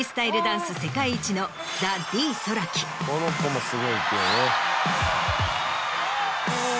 この子もすごいけどね。